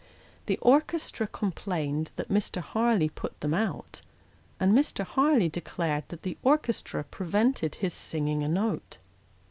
The orchestra com plained that Mr. Harleigh put them out, and Mr. Harleigh declared that the orchestra prevented his singing a note.